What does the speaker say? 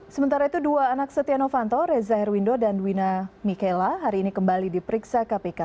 sementara itu dua anak setia novanto reza herwindo dan duwina mikela hari ini kembali diperiksa kpk